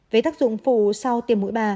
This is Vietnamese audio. về tác dụng phù sau tiêm mũi ba